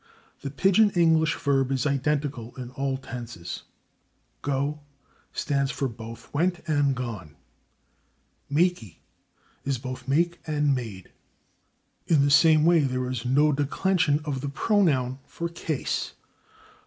The Pigeon English verb is identical in all tenses. /Go/ stands for both /went/ and /gone/; /makee/ is both /make/ and /made/. In the same way there is no declension of the pronoun for case.